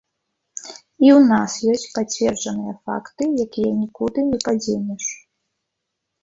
І ў нас ёсць пацверджаныя факты, якія нікуды не падзенеш.